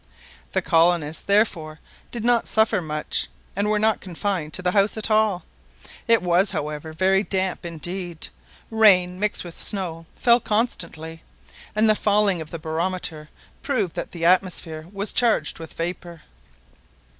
The colonists therefore did not suffer much, and were not confined to the house at all. It was, however, very damp indeed, rain mixed with snow fell constantly, and the falling of the barometer proved that the atmosphere was charged with vapour.